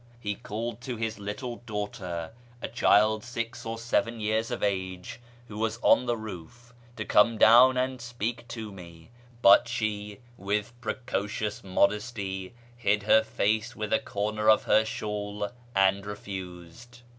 He called to his little daughter (a child six or seven years of age), who was on the roof, to come down and speak to me, but she, with AMONGST THE KALANDARS 523 precocious modesty, hid her face with a corner of her shawl and refused.